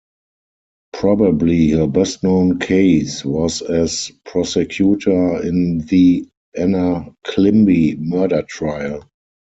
Probably her best-known case was as prosecutor in the Anna Climbie murder trial.